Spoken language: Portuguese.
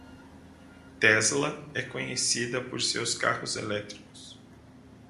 Tesla é conhecida por seus carros elétricos.